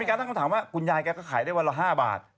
การตั้งคำถามว่าคุณยายแกก็ขายได้วันละ๕บาท